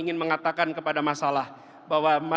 limpahkanlah kami dari kelembutan mu